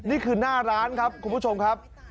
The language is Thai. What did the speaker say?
นี่คือหน้าร้านครับคุณผู้ชมครับ